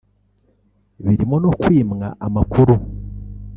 birimo no kwimwa amakuru